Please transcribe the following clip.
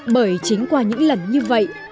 bởi chính qua những lần như vậy